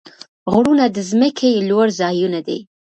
غرونه د ځمکې لوړ ځایونه دي.